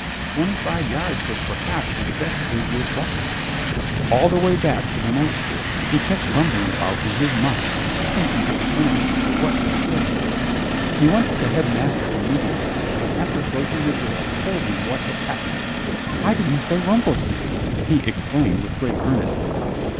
Twenty five yards was perhaps his best previous record. All the way back to the knight school he kept rumbling about in his mind seeking an explanation for what had occurred. He went to the Headmaster immediately and after closing the door told him what had happened. "I didn't say 'Rumplesnitz,'" he explained with great earnestness.